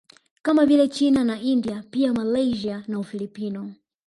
Kama vile China na India pia Malaysia na Ufilipino